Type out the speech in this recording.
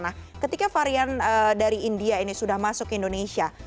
nah ketika varian dari india ini sudah masuk ke indonesia